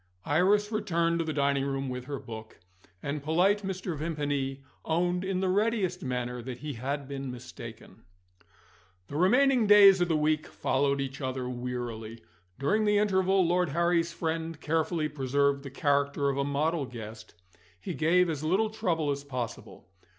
Iris returned to the dining room with her book; and polite Mr. Vimpany owned in the readiest manner that he had been mistaken. The remaining days of the week followed each other wearily. During the interval, Lord Harry's friend carefully preserved the character of a model guest he gave as little trouble as possible.